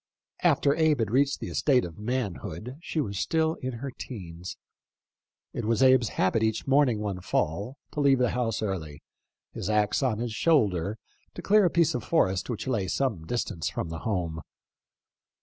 After Abe had reached the estate of manhood, she was still in her 'teens. It was Abe's habit each morning one fall, to leave the house early, his axe on his shoulder, to clear a piece of forest which lay some distance from home.